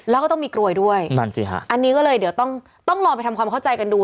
แล้วก็ต้องมีกรวยด้วยนั่นสิฮะอันนี้ก็เลยเดี๋ยวต้องต้องลองไปทำความเข้าใจกันดู